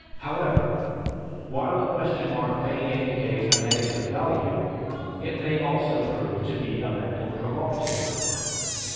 However, while a question mark may indicate a negative value, it may also prove to be a mental provocative.